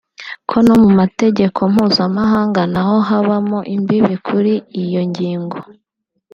ko no mu mategeko mpuzamahanga naho habamo imbibi kuri iyo ngingo